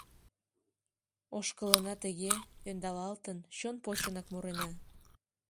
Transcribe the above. Ошкылына тыге, ӧндалалтын, чон почынак мурена.